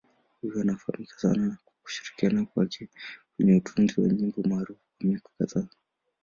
Huyu anafahamika sana kwa kushirikiana kwake kwenye utunzi wa nyimbo maarufu kwa miaka kadhaa.